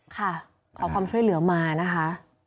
ขอความช่วยเหลือมานะคะ